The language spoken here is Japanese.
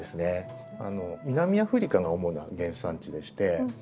南アフリカが主な原産地でして。